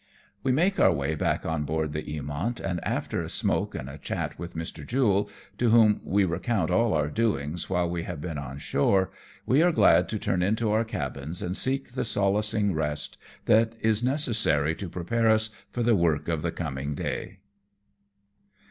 We make our way back on board the Eamont, and, after a smoke and a chat with Mr. Jule, to whom we recount all our doings while we have been on shore, we are glad to turn into our cabins and seek the solacing rest that is necessary to prepare us for the work of the coming day.